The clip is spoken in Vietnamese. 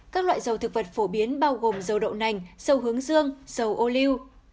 các loại dầu thực vật phổ biến bao gồm dầu đậu nành dầu hướng dương dầu ô liu